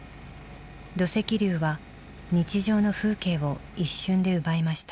土石流は日常の風景を一瞬で奪いました。